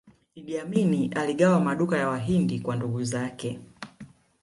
iddi amini aligawa maduka ya wahindi kwa ndugu zake